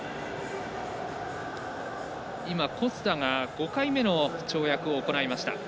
小須田が５回目の跳躍を行いました。